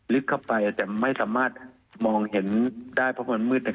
เข้าไปอาจจะไม่สามารถมองเห็นได้เพราะมันมืดเนี่ย